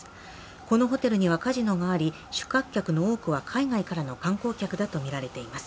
このホテルにはカジノがあり宿泊客の多くは海外からの観光客だとみられています。